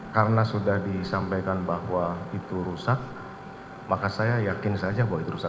karena sudah disampaikan bahwa itu rusak maka saya yakin saja bahwa itu rusak